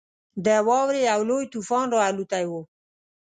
د واورې یو لوی طوفان راالوتی وو.